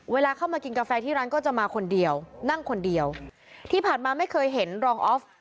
เวลาเข้ามากินกาแฟที่ร้านก็จะมาคนเดียวนั่งคนเดียวที่ผ่านมาไม่เคยเห็นรองออฟ